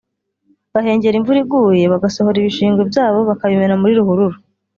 bahengera imvura iguye bagasohora ibishingwe byabo bakabimena muri ruhurura